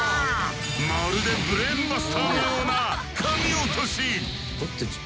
まるでブレーンバスターのようなかみ落とし！